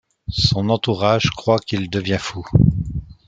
Son entourage croit qu’il devient fou.